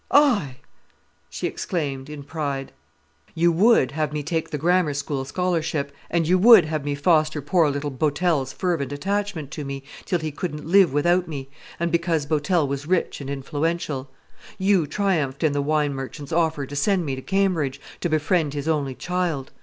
"I!" she exclaimed, in pride. "You would have me take the Grammar School scholarship—and you would have me foster poor little Botell's fervent attachment to me, till he couldn't live without me—and because Botell was rich and influential. You triumphed in the wine merchant's offer to send me to Cambridge, to befriend his only child.